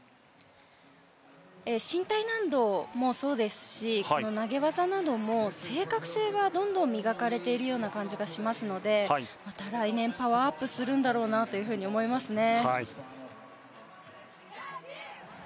身体難度もそうですしこの投げ技なども正確性がどんどん磨かれているような感じがしますのでまた来年パワーアップするんだろうなと思いますね。